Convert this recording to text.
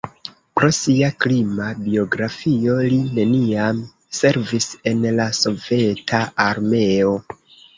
Pro sia krima biografio li neniam servis en la Soveta Armeo.